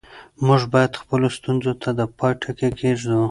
موږ باید خپلو ستونزو ته د پای ټکی کېږدو.